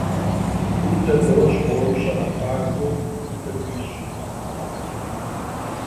Ούτε μπρος μπορούσα να πάγω ούτε πίσω